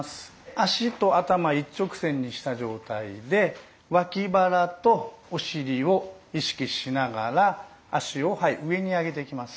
脚と頭一直線にした状態でわき腹とお尻を意識しながら脚を上に上げていきます。